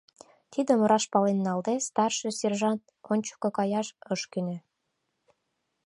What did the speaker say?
Тидым раш пален налде, старший сержант ончыко каяш ыш кӧнӧ.